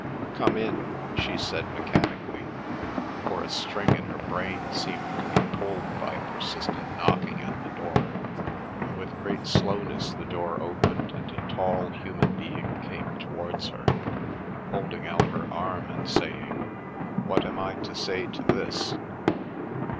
"Come in," she said mechanically, for a string in her brain seemed to be pulled by a persistent knocking at the door. With great slowness the door opened and a tall human being came towards her, holding out her arm and saying: "What am I to say to this?"